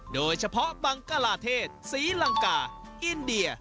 โดยเฉพาะบังกลาเทศศรีลังกาอินเดีย